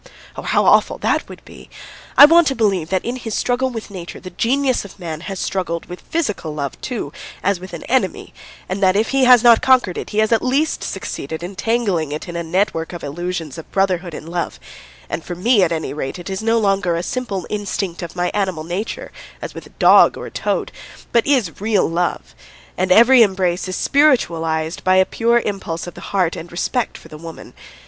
Oh, how awful that would be! I want to believe that in his struggle with nature the genius of man has struggled with physical love too, as with an enemy, and that, if he has not conquered it, he has at least succeeded in tangling it in a net work of illusions of brotherhood and love; and for me, at any rate, it is no longer a simple instinct of my animal nature as with a dog or a toad, but is real love, and every embrace is spiritualised by a pure impulse of the heart and respect for the woman.